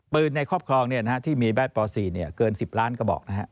ปืนในครอบครองเนี่ยนะฮะที่มีแบตป๔เนี่ยเกิน๑๐ล้านกระบอกนะฮะ